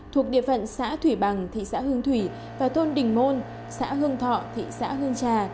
thuộc địa phận xã thủy bằng thị xã hương thủy và thôn đình môn xã hương thọ thị xã hương trà